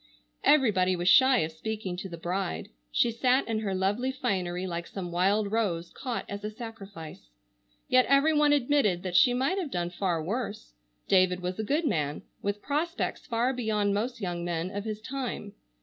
Everybody was shy of speaking to the bride. She sat in her lovely finery like some wild rose caught as a sacrifice. Yet every one admitted that she might have done far worse. David was a good man, with prospects far beyond most young men of his time.